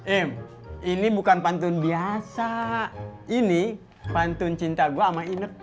im ini bukan pantun biasa ini pantun cinta gue sama ineb